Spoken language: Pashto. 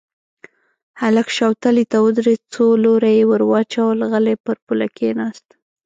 هلک شوتلې ته ودرېد، څو لوره يې ور واچول، غلی پر پوله کېناست.